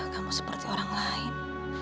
kamu seperti orang lain